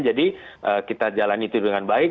jadi kita jalani itu dengan baik